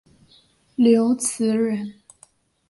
刘词人。